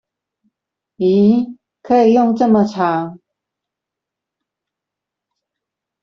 疑！可以用這麼長